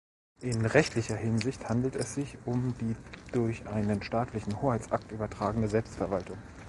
In rechtlicher Hinsicht handelt es sich um die durch einen staatlichen Hoheitsakt übertragene Selbstverwaltung.